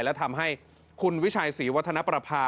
และทำให้คุณวิชัยศรีวัฒนประภา